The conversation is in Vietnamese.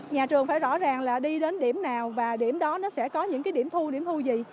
nhà trường phải rõ ràng là đi đến điểm nào và điểm đó nó sẽ có những cái điểm thu điểm thu gì